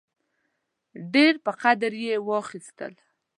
ډېر په قدر یې واخیستل.